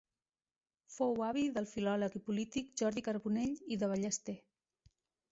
Fou avi del filòleg i polític Jordi Carbonell i de Ballester.